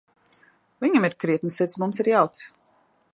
Viņam ir krietna sirds, mums ir jautri.